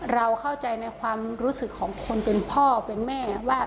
เราเข้าใจในความรู้สึกของคนเป็นพ่อเป็นแม่ว่า